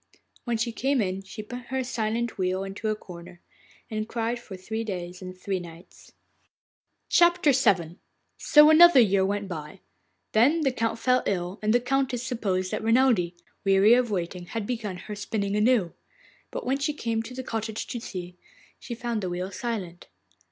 When she came in she put her silent wheel into a corner, and cried for three days and three nights. VII So another year went by. Then the Count fell ill, and the Countess supposed that Renelde, weary of waiting, had begun her spinning anew; but when she came to the cottage to see, she found the wheel silent.